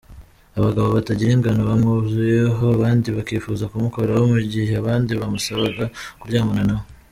Abagabo batagira ingano bamwuzuyeho abandi bakifuza kumukoraho mu gihe abandi bamusabaga kuryamana na we.